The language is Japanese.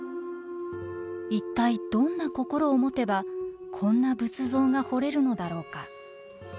一体どんな心を持てばこんな仏像が彫れるのだろうか。